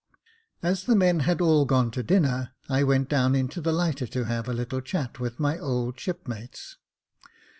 As the men had all gone to dinner, I went down into the lighter to have a little chat with my old shipmates.